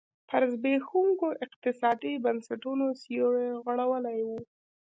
پر زبېښونکو اقتصادي بنسټونو سیوری غوړولی و.